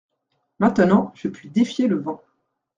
Maintenant je puis défier le vent.